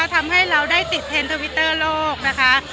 ทำให้เราได้ติดเทรนด์ทวิตเตอร์โลกนะคะ